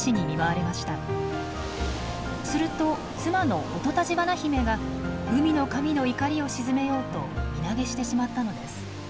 すると妻の弟橘媛が海の神の怒りを鎮めようと身投げしてしまったのです。